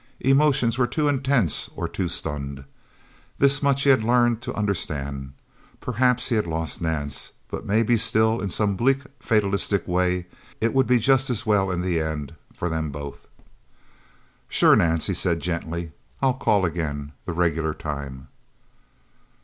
Emotions were too intense or too stunned. This much he had learned to understand. Perhaps he had lost Nance. But maybe, still in some bleak, fatalistic way it would be just as well in the end, for them both. "Sure, Nance," he said gently. "I'll call again the regular time..."